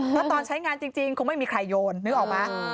เพราะตอนใช้งานจริงคงไม่มีใครโยนนึกออกไหม